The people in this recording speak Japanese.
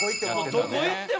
どこ行っても。